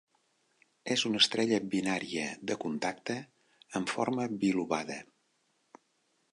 És una estrella binària de contacte amb forma bilobada.